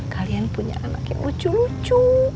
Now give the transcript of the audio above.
kalian punya anak yang lucu lucu